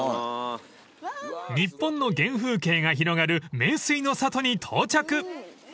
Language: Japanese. ［日本の原風景が広がる名水の里に到着］